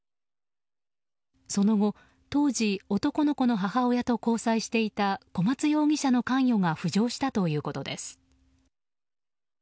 その後、当時男の子の母親と交際していた小松容疑者の関与が浮上したということです。